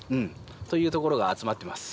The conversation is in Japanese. というところが集まってます。